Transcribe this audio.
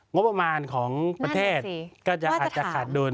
งบประมาณของประเทศก็จะอาจจะขาดดุล